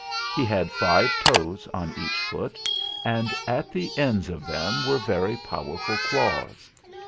He had five toes on each foot, and at the ends of them were very powerful claws.